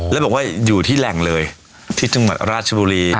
แล้วบอกว่าอยู่ที่แหล่งเลยที่จังหวัดราชบุรี